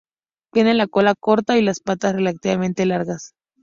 Tiene la cola corta y las patas relativamente largas.